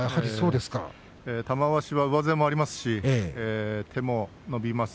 玉鷲は上背もありますし手も伸びます。